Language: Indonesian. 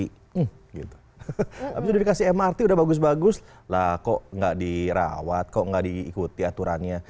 habis udah dikasih mrt udah bagus bagus lah kok nggak dirawat kok nggak diikuti aturannya